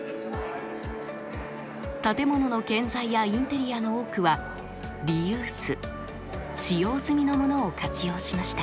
建物の建材やインテリアの多くはリユース使用済みのものを活用しました。